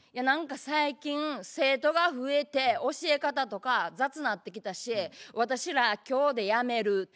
「何か最近生徒が増えて教え方とか雑なってきたし私ら今日でやめる。